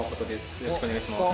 よろしくお願いします